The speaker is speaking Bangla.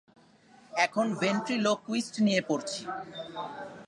এখন ভেন্ট্রিলোকুইস্ট নিয়ে পড়ছি।